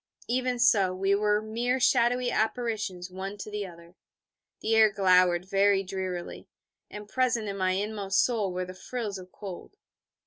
Even so we were mere shadowy apparitions one to the other. The air glowered very drearily, and present in my inmost soul were the frills of cold.